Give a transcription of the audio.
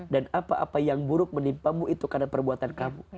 dan apa apa yang buruk menimpamu itu karena perbuatan kamu